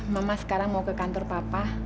mama sekarang mau ke kantor papa